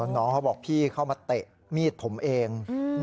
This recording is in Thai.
น้องเขาบอกพี่เข้ามาเตะมีดผมเอง